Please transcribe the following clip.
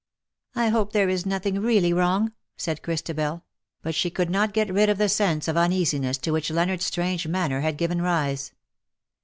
" I hope there is nothing really wrong," said Christabel ; but she could not get rid of the sense of uneasiness to which Leonardos strange manner had given rise.